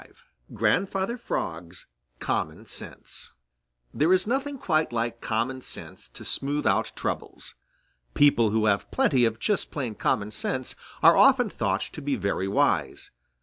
V GRANDFATHER FROG'S COMMON SENSE There is nothing quite like common sense to smooth out troubles. People who have plenty of just plain common sense are often thought to be very wise.